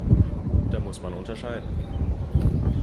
Da muss man unterscheiden.